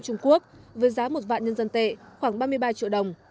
trung quốc với giá một vạn nhân dân tệ khoảng ba mươi ba triệu đồng